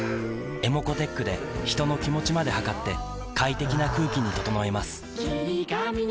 ｅｍｏｃｏーｔｅｃｈで人の気持ちまで測って快適な空気に整えます